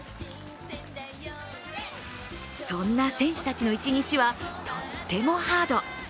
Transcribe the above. そんな選手たちの一日はとってもハード。